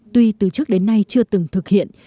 tuy từ trước đến nay chưa từng thực hiện